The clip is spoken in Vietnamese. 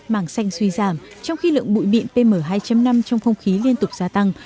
mảng xanh suy giảm trong khi lượng bụi mịn pm hai năm trong không khí liên tục gia tăng